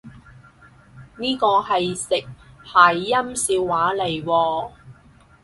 呢個係食諧音笑話嚟喎？